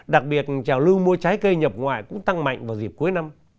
đặc biệt trào lưu mua trái cây nhập ngoại cũng tăng mạnh vào dịp cuối năm